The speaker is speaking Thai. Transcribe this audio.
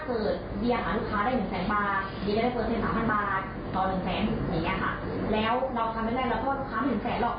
๓๐๐๐บาทต่อ๑แสนอย่างเนี้ยค่ะแล้วเราทำไม่ได้เราต้องทำ๑แสนหรอก